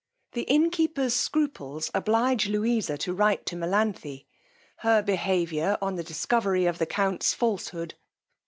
_The Innkeepers scruples oblige Louisa to write to Melanthe: her behavior on the discovery of the count's falshood.